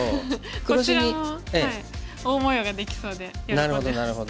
こちらも大模様ができそうで喜んでました。